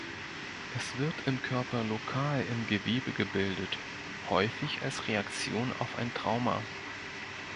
Es wird im Körper lokal im Gewebe gebildet, häufig als Reaktion auf ein Trauma.